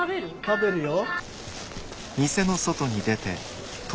食べるよ。